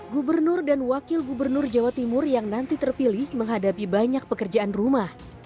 gubernur dan wakil gubernur jawa timur yang nanti terpilih menghadapi banyak pekerjaan rumah